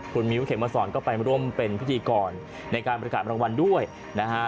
คุณมิ้วเขมสอนก็ไปร่วมเป็นพิธีกรในการบริการรางวัลด้วยนะฮะ